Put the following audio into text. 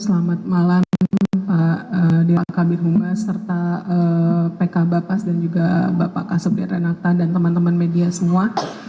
selamat malam pak dewa kabir humas serta pk bapak dan juga bapak kasubdir renata dan teman teman media semua